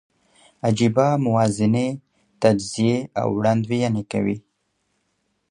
عجېبه موازنې، تجزیې او وړاندوینې کوي.